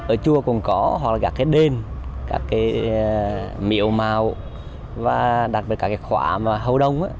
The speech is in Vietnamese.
ở chùa cũng có hoặc là các cái đền các cái miệu màu và đặc biệt các cái khóa mà hầu đông